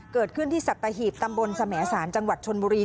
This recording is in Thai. เกิดขึ้นที่สัตหีบตำบลสมสารจังหวัดชนบุรี